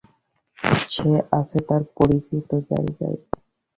সে আছে তার পরিচিত জায়গায়।